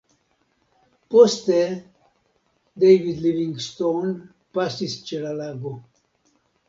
Poste David Livingstone pasis ĉe la lago.